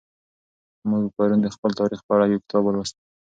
موږ پرون د خپل تاریخ په اړه یو کتاب ولوست.